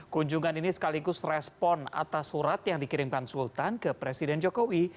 kunjungan ini sekaligus respon atas surat yang dikirimkan sultan ke presiden jokowi